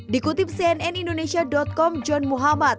dikutip cnnindonesia com john muhammad